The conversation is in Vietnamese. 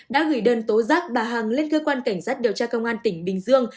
đã gửi đơn tố giác bà hằng lên cơ quan cảnh sát điều tra công an tỉnh bình dương